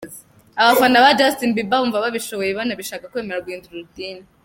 abafana ba Justin Bieber bumva babishoboye banabishaka kwemera guhindura idini.